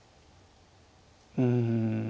うん。